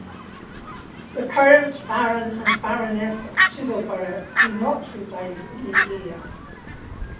The current Baron and Baroness of Chiselborough do not reside in the area.